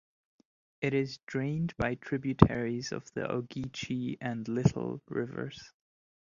It is drained by tributaries of the Ogeechee and Little rivers.